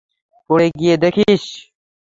পড়ে গিয়ে দেখিস।